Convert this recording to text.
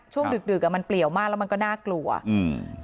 ดึกดึกอ่ะมันเปลี่ยวมากแล้วมันก็น่ากลัวอืม